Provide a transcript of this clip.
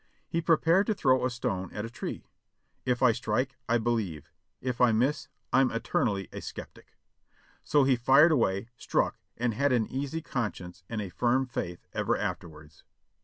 He prepared to throw a stone at a tree; 'Tf I strike, I believe; if I miss, I'm eternally a skeptic." So he fired away, struck, and had an easy conscience and a firm faith ever afterwards.